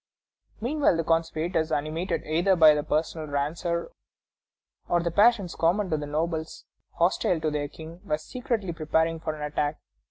Meanwhile the conspirators, animated either by personal rancor or the passions common to nobles hostile to their king, were secretly preparing for an attack.